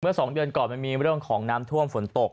๒เดือนก่อนมันมีเรื่องของน้ำท่วมฝนตก